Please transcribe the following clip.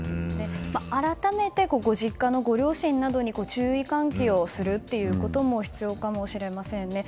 改めて、ご実家のご両親などに注意喚起をすることも必要かもしれませんね。